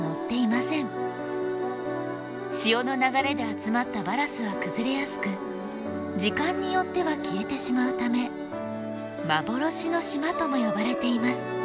潮の流れで集まったバラスは崩れやすく時間によっては消えてしまうため幻の島とも呼ばれています。